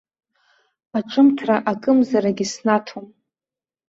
Аҿымҭра акымзарагьы снаҭом.